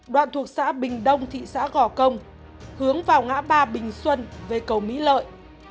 đoạn thuộc xã bình đông thị xã gò công hướng vào ngã ba bình xuân về cầu mỹ lợi